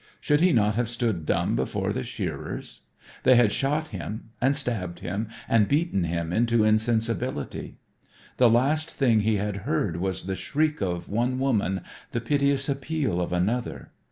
Should he not have stood dumb before the shearers? They had shot him and stabbed him and beaten him into insensibility. The last thing he had heard was the shriek of one woman, the piteous appeal of another.